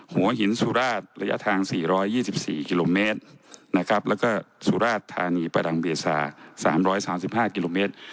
หัวหินสุราชระยะทาง๔๒๔กิโลเมตรนะครับแล้วก็สุราชธานีประดังเบซา๓๓๕กิโลเมตร